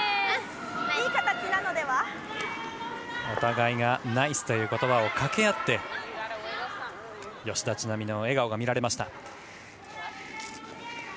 お互いがナイス！という言葉をかけ合って吉田知那美の笑顔が見られました。